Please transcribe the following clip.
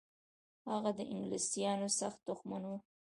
هغه د انګلیسانو سخت دښمن و.